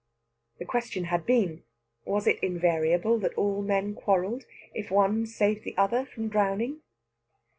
The question had been: Was it invariable that all men quarrelled if one saved the other from drowning?